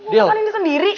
sama lo makan ini sendiri